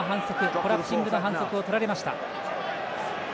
コラプシングの反則をとられました。